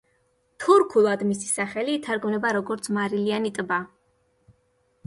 თურქულად მისი სახელი ითარგმნება, როგორც „მარილიანი ტბა“.